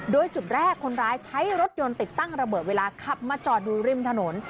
โดยจุดแรกคนร้ายใช้รถยนต์ติดตั้งระเบิดเวลาขับมาจอดดูริมถนน